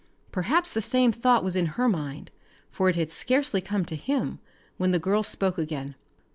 Perhaps the same thought was in her mind, for it had scarcely come to him when the girl spoke again.